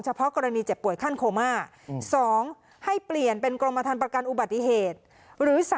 เพาะกรณีเจ็บป่วยขั้นโคม่า๒ให้เปลี่ยนเป็นกรมฐานประกันอุบัติเหตุหรือ๓